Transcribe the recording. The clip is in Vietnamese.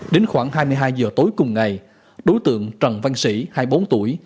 đến khoảng hai mươi hai giờ tối cùng ngày đối tượng trần văn sĩ hai mươi bốn tuổi